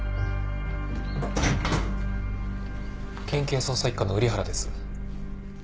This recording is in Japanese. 県警捜査一課の瓜原です。